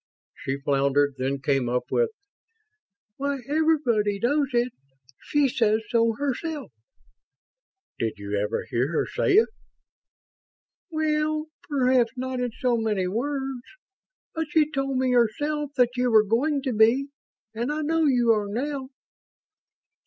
She floundered, then came up with: "Why, _every_body knows it. She says so herself." "Did you ever hear her say it?" "Well, perhaps not in so many words. But she told me herself that you were going to be, and I know you are now."